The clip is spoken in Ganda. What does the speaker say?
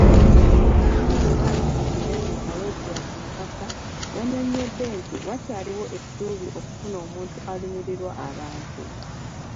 Munne bwe bali ku mbiranye Aloysious Mukasa yannyonnyodde nti wakyaliwo essuubi okufuna omuntu alumirirwa abantu.